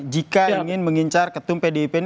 jika ingin mengincar ketum pdip ini